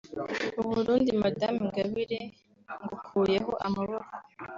u Burundi Madame Ingabire ngukuyeho amaboko